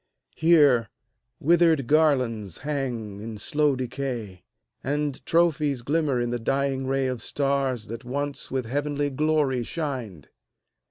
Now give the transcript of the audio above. Here, withered garlands hang in slow decay, And trophies glimmer in the dying ray Of stars that once with heavenly glory shined.